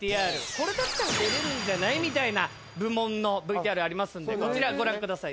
これだったら出れるんじゃないみたいな部門のＶＴＲありますんでこちらご覧ください。